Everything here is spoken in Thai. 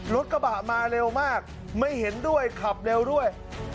รถกระบะมาเร็วมากไม่เห็นด้วยขับเร็วด้วย